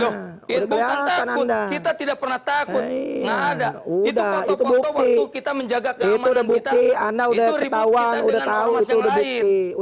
loh itu takut kita tidak pernah takut nggak ada itu foto foto waktu kita menjaga keamanan kita itu ribuan kita dengan orang lain